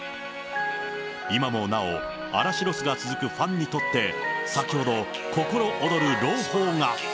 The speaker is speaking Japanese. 今もなお、嵐ロスが続くファンにとって、先ほど、心踊る朗報が。